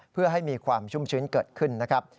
เพื่อให้มีความชุ่มชื้นเกิดขึ้นนะครับ